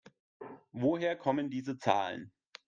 Woher kommen diese Zahlen?